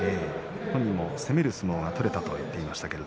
本人も攻める相撲が取れたと言っていました。